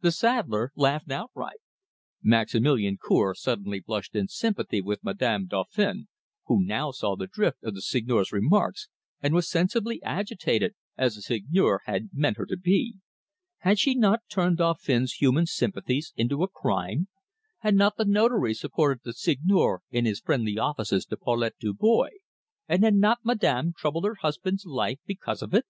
The saddler laughed outright. Maximilian Cour suddenly blushed in sympathy with Madame Dauphin, who now saw the drift of the Seigneur's remarks, and was sensibly agitated, as the Seigneur had meant her to be. Had she not turned Dauphin's human sympathies into a crime? Had not the Notary supported the Seigneur in his friendly offices to Paulette Dubois; and had not Madame troubled her husband's life because of it?